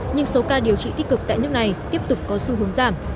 nhưng số ca điều trị tích cực tại nước này tiếp tục có xu hướng giảm